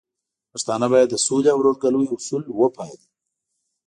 پښتانه بايد د سولې او ورورګلوي اصول وپالي.